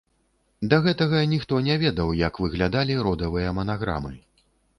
Да гэтага ніхто не ведаў, як выглядалі родавыя манаграмы.